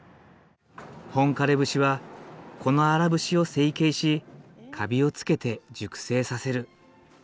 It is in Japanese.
本枯節はこの荒節を整形しカビをつけて熟成させる。